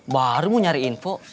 baru mau nyari info